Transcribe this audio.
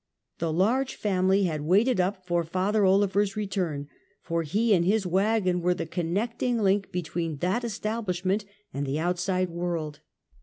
The large family had waited up for Father Olever's return, for he and his wagon were the connecting link between that establishment and the outside world.